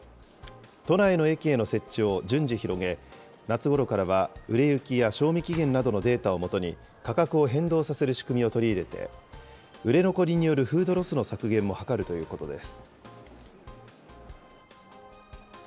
都内の駅への設置を順次広げ、夏ごろからは売れ行きや賞味期限などのデータを基に、価格を変動させる仕組みを取り入れて、売れ残りによるフードロスの削減も図るということです。